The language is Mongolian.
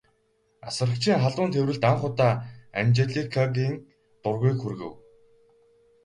Асрагчийн халуун тэврэлт анх удаа Анжеликагийн дургүйг хүргэв.